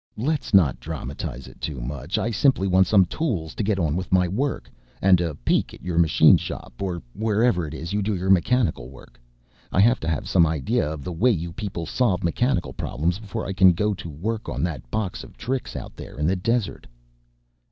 "Let's not dramatize too much. I simply want some tools to get on with my work, and a peek at your machine shop or wherever it is you do your mechanical work. I have to have some idea of the way you people solve mechanical problems before I can go to work on that box of tricks out there in the desert."